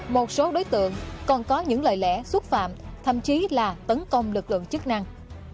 một số đối tượng còn có những lời lẽ xúc phạm thậm chí là tấn công lực lượng chức năng